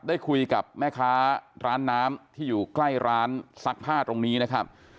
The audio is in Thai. ได้คุยกับแม่ค้าร้านน้ำที่อยู่ใกล้ร้านซักผ้าตรงนี้นะครับ